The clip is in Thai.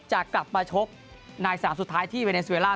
จะกลับมาชกในสนามสุดท้ายที่เวเนสเวล่า